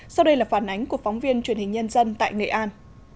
sau đây là phản ánh của phóng viên truyền hình nhân dân tại nghệ an